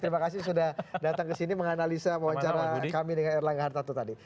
terima kasih sudah datang kesini menganalisa wawancara kami dengan erlangga hartatu tadi